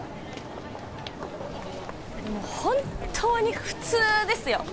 本当に普通ですよ